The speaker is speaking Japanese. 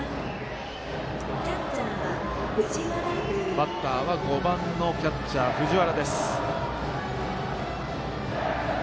バッターは５番のキャッチャー、藤原。